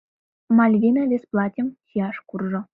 Мальвина вес платьым чияш куржо.